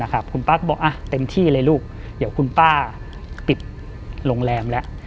คุณป้าก็บอกเต็มที่เลยลูกเดี๋ยวคุณป้าปิดโรงแรมแล้ว